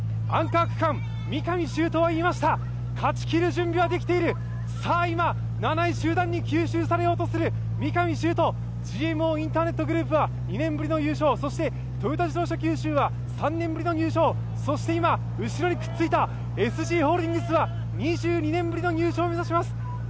アンカー区間、三上嵩斗は言いました、勝ちきる準備はできている、今、７位集団に吸収されようとする三上嵩斗、ＧＭＯインターネットグループは２年ぶりの入賞、そしてトヨタ自動車九州は３年ぶりの入賞、そして今、後ろにくっついたＳＧホールディングスは２２年ぶりの入賞を目指します。